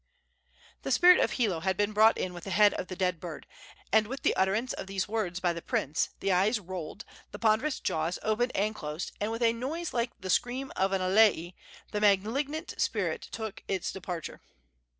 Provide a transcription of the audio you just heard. The spirit of Hilo had been brought in with the head of the dead bird, and with the utterance of these words by the prince the eyes rolled, the ponderous jaws opened and closed, and with a noise like the scream of an alae the malignant spirit took its departure.